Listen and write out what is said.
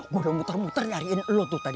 gue udah muter muter nyariin lo tuh tadi